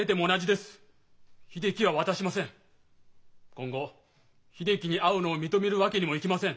今後秀樹に会うのを認めるわけにもいきません。